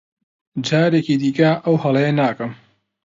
جارێکی دیکە ئەو هەڵەیە ناکەم.